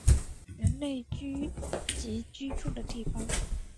人类聚集居住的地方